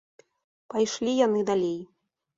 Пайшлі яны далей